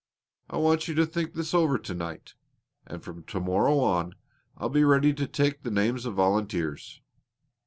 I want you to think this over to night, and from to morrow on I'll be ready to take the names of volunteers."